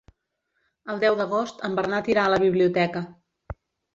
El deu d'agost en Bernat irà a la biblioteca.